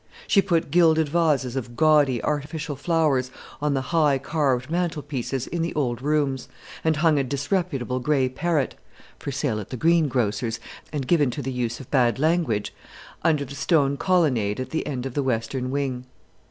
She put gilded vases of gaudy artificial flowers on the high carved mantel pieces in the old rooms, and hung a disreputable gray parrot for sale at a greengrocer's, and given to the use of bad language under the stone colonnnade at the end of the western wing.